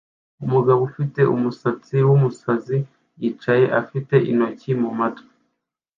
Umugabo ufite umusatsi wumusazi yicaye afite intoki mumatwi